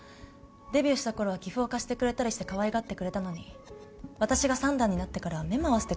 デビューした頃は棋譜を貸してくれたりしてかわいがってくれたのに私が三段になってからは目も合わせてくれませんよね。